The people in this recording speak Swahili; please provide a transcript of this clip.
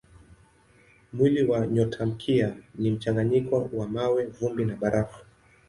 Mwili wa nyotamkia ni mchanganyiko wa mawe, vumbi na barafu.